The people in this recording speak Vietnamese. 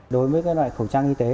đối với các loại khẩu trang y tế